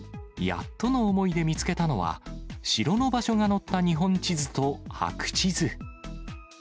やっとの思いで見つけたのは、城の場所が載った日本地図と白地図。